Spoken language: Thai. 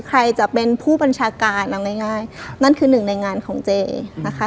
ใครจะเป็นผู้บัญชาการเอาง่ายนั่นคือหนึ่งในงานของเจนะคะ